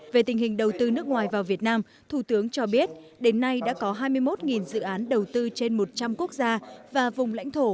về tình hình đầu tư nước ngoài vào việt nam thủ tướng cho biết đến nay đã có hai mươi một dự án đầu tư trên một trăm linh quốc gia và vùng lãnh thổ